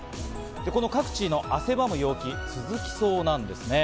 この各地の汗ばむ陽気続きそうなんですね。